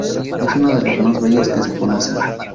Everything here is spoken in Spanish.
Es una de las más bellas que se conocen.